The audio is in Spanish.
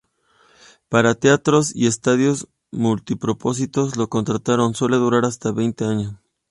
Para teatros y estadios multipropósito, los contratos suelen durar hasta veinte años.